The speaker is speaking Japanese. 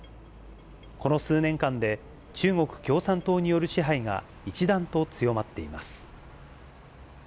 この数年間で、中国共産党による支配が一段と強まっています。